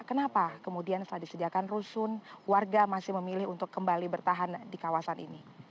kenapa kemudian setelah disediakan rusun warga masih memilih untuk kembali bertahan di kawasan ini